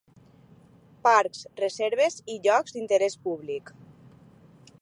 Parcs, reserves i llocs d'interès públic.